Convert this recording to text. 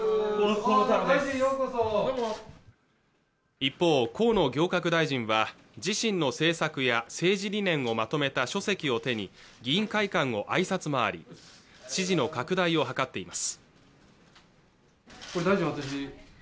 一方河野行革大臣は自身の政策や政治理念をまとめた書籍を手に議員会館を挨拶回り支持の拡大を図っています